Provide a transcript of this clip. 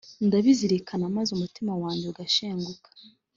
Ndabizirikana maze umutima wanjye ugashenguka;